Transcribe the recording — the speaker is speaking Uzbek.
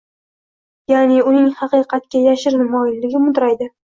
ya’ni uning haqiqatga “yashirin moyilligi” mudraydi.